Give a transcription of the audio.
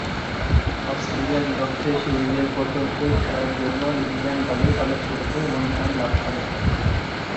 অস্ট্রেলিয়ার বিপক্ষে সিরিজের প্রথম টেস্ট খেলার জন্যে নিউজিল্যান্ড দলের সদস্যরূপে মনোনয়ন লাভ করেন।